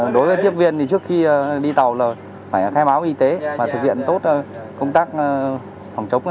đối với tiếp viên thì trước khi đi tàu là phải khai báo y tế và thực hiện tốt công tác phòng chống covid